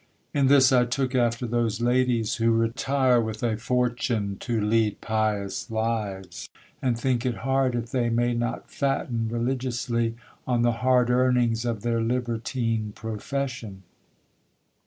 In this I took after those ladies who retire with a fortune to lead pious lives, and think it hard if they may not fatten religiously on the hard earnings of their libertine profession.